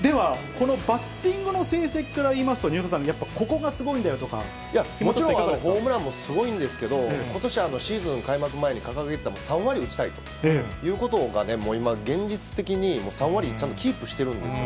このバッティングの成績からいいますと、西岡さん、もちろんホームランもすごいんですけど、ことしはシーズン開幕前に掲げてた、３割打ちたいということがね、今、現実的にもう３割ちゃんとキープしてるんです。